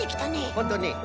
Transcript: ほんとね。